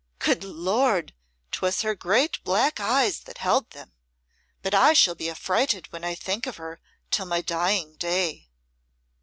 Good Lord! 'twas her great black eyes that held them; but I shall be affrighted when I think of her, till my dying day."